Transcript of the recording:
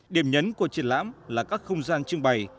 điểm nhấn của triển lãm là các không gian trưng bày